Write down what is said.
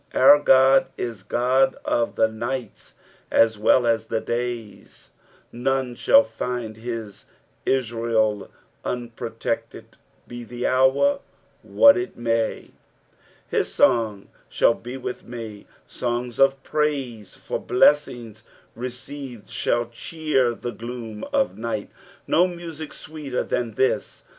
Our Ood is God of the uights as well as the days ; none shall £nd nis Israel unpro tected, be the hour what it may. "Bit »ong ahall he with vie." Songs of praise for blessings received shall cheer the gloom of night. No music sweeter than this.